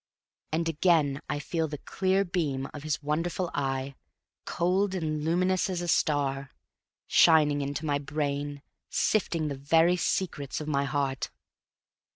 And again I feel the clear beam of his wonderful eye, cold and luminous as a star, shining into my brain sifting the very secrets of my heart.